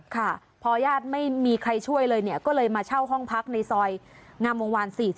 ค่ะพอญาติไม่มีใครช่วยเลยเนี่ยก็เลยมาเช่าห้องพักในซอยงามวงวาน๔๐